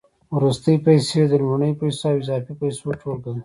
وروستۍ پیسې د لومړنیو پیسو او اضافي پیسو ټولګه ده